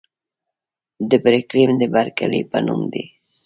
د برکیلیم د برکلي په نوم دی.